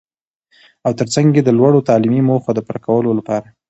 او تر څنګ يې د لوړو تعليمي موخو د پوره کولو لپاره.